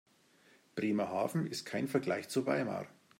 Bremerhaven ist kein Vergleich zu Weimar